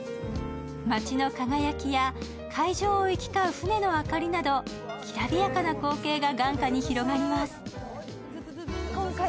街の輝きや海上を行き交う船の明かりなどきらびやかな光景が眼下に広がります。